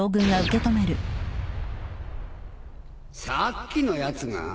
さっきのやつが？